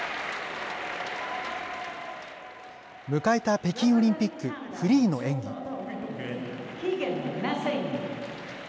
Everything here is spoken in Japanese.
迎えた北京オリンピック、フリーの演技。